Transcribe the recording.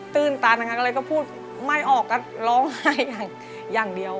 ตื่นตันนะคะอะไรก็พูดไม่ออกก็ร้องไห้อย่างเดียว